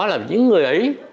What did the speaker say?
làm những người ấy